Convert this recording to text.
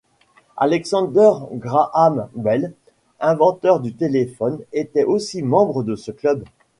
Alexander Graham Bell inventeur du téléphone était aussi membre de ce club.